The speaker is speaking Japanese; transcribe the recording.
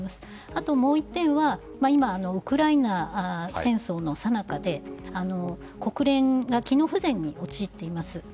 あと、もう１点は今、ウクライナ戦争のさなかで国連が機能不全に陥っています。